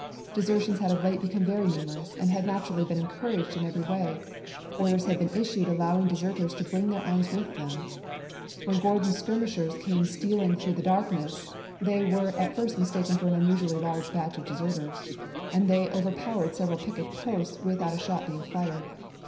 Desertions had of late become very numerous and had naturally been encouraged in every way; orders had been issued allowing deserters to bring their arms with them. When Mar.25,i865. Gordon's skirmishers came stealing through the darkness they were at first mistaken for an unusually large batch of deserters, and they overpowered sev eral picket posts without a shot being fired.